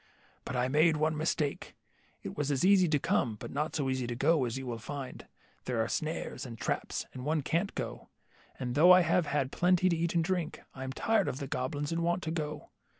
But I made one mistake. It was easy to come, but not so easy to go, as you will find. There are snares and traps, and one can't go, and though I have had plenty to eat and drink, I am tired of the goblins, and want to go.